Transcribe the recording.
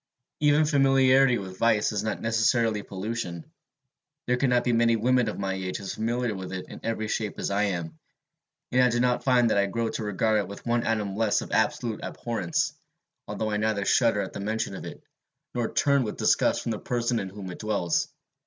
Even familiarity with vice is not necessarily pollution. There cannot be many women of my age as familiar with it in every shape as I am; and I do not find that I grow to regard it with one atom less of absolute abhorrence, although I neither shudder at the mention of it, nor turn with disgust from the person in whom it dwells.